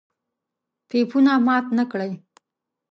پيپونه مات نکړئ!